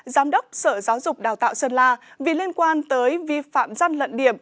giám đốc sở giáo dục đào tạo sơn la vì liên quan tới vi phạm gian lận điểm